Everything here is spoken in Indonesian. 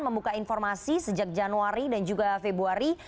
membuka informasi sejak januari dan juga februari